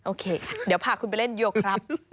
โอเคเดี๋ยวพาคุณไปเล่นโยครับ